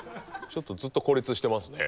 ちょっとずっと孤立してますね。